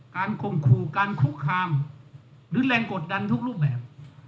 ข่มขู่การคุกคามหรือแรงกดดันทุกรูปแบบ